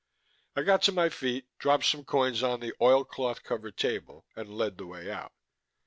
I got to my feet, dropped some coins on the oilcloth covered table, and led the way out.